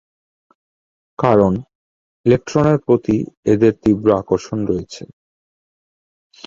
কারণ, ইলেকট্রনের প্রতি এদের তীব্র আকর্ষণ রয়েছে।